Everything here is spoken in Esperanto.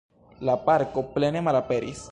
La parko plene malaperis.